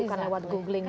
bukan lewat googling juga